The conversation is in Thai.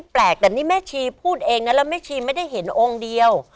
แปลกแต่นี่แม่ชีพูดเองนะแล้วแม่ชีไม่ได้เห็นองค์เดียว